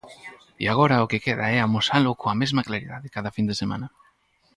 E agora o que queda é amosalo coa mesma claridade cada fin de semana.